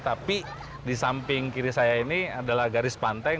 tapi di samping kiri saya ini adalah garis pantai